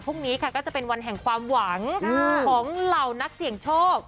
พรุ่งนี้ค่ะก็จะเป็นวันแห่งความหวังของเหล่านักเสี่ยงโชค